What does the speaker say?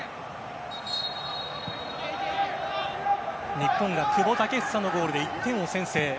日本が久保建英のゴールで１点を先制。